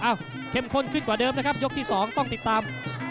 เข้มข้นขึ้นกว่าเดิมนะครับยกที่๒ต้องติดตาม